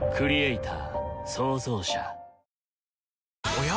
おや？